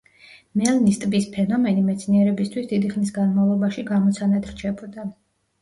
მელნის ტბის ფენომენი მეცნიერებისთვის დიდი ხნის განმავლობაში გამოცანად რჩებოდა.